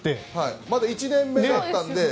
まだ１年目だったんで。